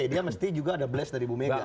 dia mesti juga ada bless dari ibu megawati